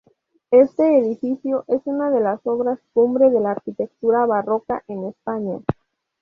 Este edificio es una de las obras cumbre de la arquitectura barroca en España.